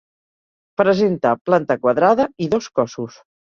Presenta planta quadrada i dos cossos.